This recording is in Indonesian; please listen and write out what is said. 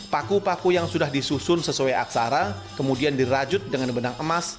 paku paku yang sudah disusun sesuai aksara kemudian dirajut dengan benang emas